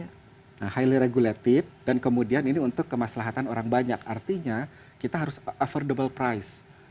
nah highly regulated dan kemudian ini untuk kemaslahatan orang banyak artinya kita harus affordable price